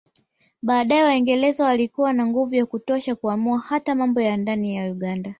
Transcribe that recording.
Baadaye Waingereza walikuwa na nguvu ya kutosha kuamua hata mambo ya ndani ya Buganda